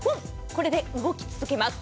これで動き続けます。